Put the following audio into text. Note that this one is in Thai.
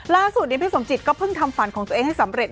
ล่าสุดนี้พี่สมจิตก็เพิ่งทำฝันของตัวเองให้สำเร็จ